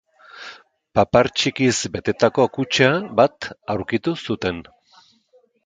Papar txikiz betetako kutxa bat aurkitu zuten.